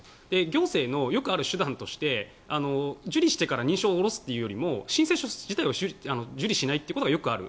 行政のよくある手段として受理してから認証を下ろすというよりも申請書自体を受理しないということがよくある。